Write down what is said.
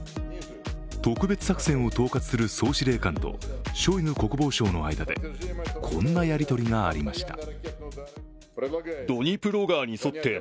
特別作戦を統括する総司令官とショイグ国防相の間で、こんなやりとりがありました。